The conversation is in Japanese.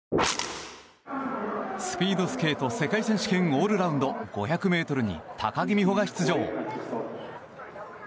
スピードスケート世界選手権オールラウンド５００ｍに、高木美帆が出場。